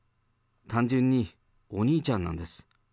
単純にお兄ちゃんなんです。